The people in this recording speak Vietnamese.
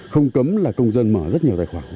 không cấm là công dân mở rất nhiều tài khoản